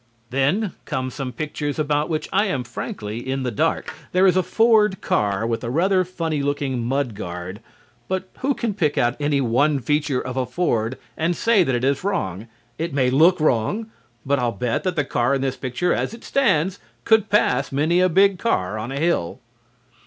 Then come some pictures about which I am frankly in the dark. There is a Ford car with a rather funny looking mud guard, but who can pick out any one feature of a Ford and say that it is wrong? It may look wrong but I'll bet that the car in this picture as it stands could pass many a big car on a hill.